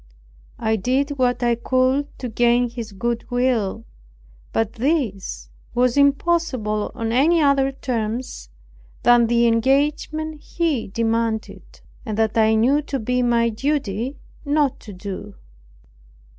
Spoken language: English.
I did what I could to gain his goodwill, but this was impossible on any other terms than the engagement he demanded, and that I knew to be my duty not to do.